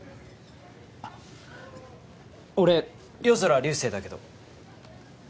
あっ俺夜空流星だけど。